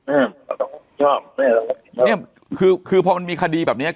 อืมต้องรับผิดชอบนี่คือคือพอมันมีคดีแบบเนี้ย